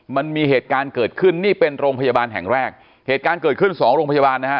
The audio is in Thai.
มันมีเหตุการณ์เกิดขึ้นนี่เป็นโรงพยาบาลแห่งแรกเหตุการณ์เกิดขึ้นสองโรงพยาบาลนะฮะ